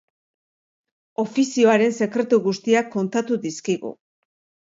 Ofizioaren sekretu guztiak kontatu dizkigu.